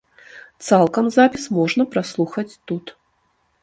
Цалкам запіс можна праслухаць тут.